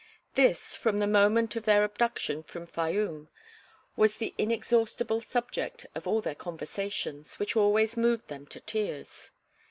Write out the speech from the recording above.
This, from the moment of their abduction from Fayûm, was the inexhaustible subject of all their conversations, which always moved them to tears.